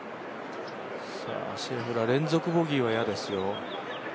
シェフラー、連続ボギーは嫌ですよ。